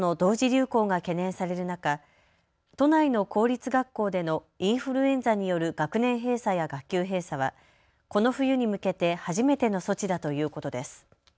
流行が懸念される中、都内の公立学校でのインフルエンザによる学年閉鎖や学級閉鎖はこの冬に向けて初めての措置だということです。